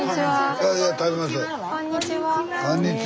「こんにちは」は？